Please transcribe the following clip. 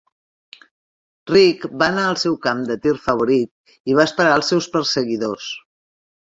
Rick va anar al seu camp de tir favorit i va esperar els seus perseguidors.